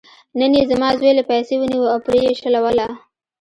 نن یې زما زوی له پایڅې ونیوه او پرې یې شلوله.